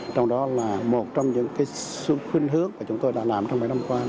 trong đó là một trong những khuyến hướng mà chúng tôi đã làm trong mấy năm qua